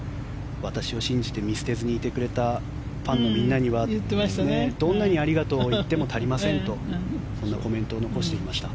私を信じて見捨てずにいてくれたファンのみんなにはどんなにありがとうを言っても足りませんとそんなコメントを残していました。